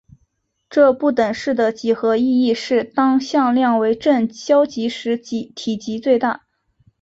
这不等式的几何意义是当向量为正交集时体积最大。